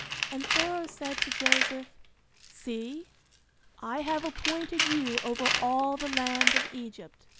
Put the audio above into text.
And Pharaoh said to Joseph, See, I have appointed you over all the land of Egypt.